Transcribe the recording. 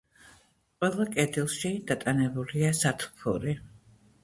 ყველა კედელში დატანებულია სათოფური.